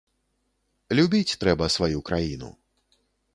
Любіць трэба сваю краіну.